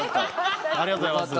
ありがとうございます。